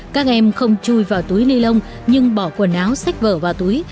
các em không chui vào túi ni lông nhưng bỏ quần áo sách vở và túi